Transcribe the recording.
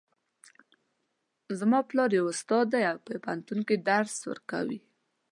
زما پلار یو استاد ده او په پوهنتون کې درس ورکوي